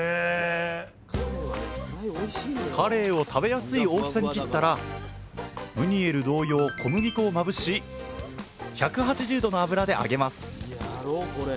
カレイを食べやすい大きさに切ったらムニエル同様小麦粉をまぶし１８０℃の油で揚げます。